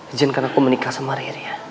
ijinkan aku menikah sama riri ya